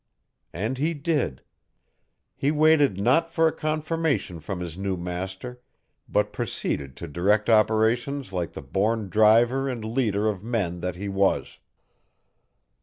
And he did. He waited not for a confirmation from his new master but proceeded to direct operations like the born driver and leader of men that he was.